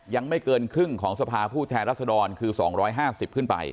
ยังไม่เกินครึ่งของสภาผู้แทนรัศดรคือ๒๕๐ขึ้นไป